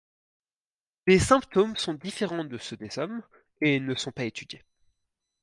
Les symptômes sont différents de ceux des hommes et ne sont pas étudiés.